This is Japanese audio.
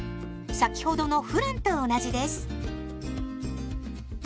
先ほどのフランと同じです。